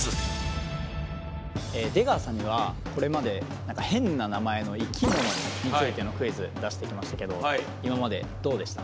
出川さんにはこれまで何か変な名前の生き物についてのクイズ出してきましたけど今までどうでした？